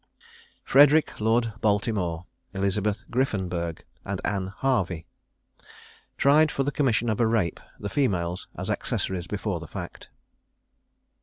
FREDERIC, LORD BALTIMORE; ELIZABETH GRIFFENBURG; AND ANNE HARVEY. TRIED FOR THE COMMISSION OF A RAPE, THE FEMALES AS ACCESSORIES BEFORE THE FACT.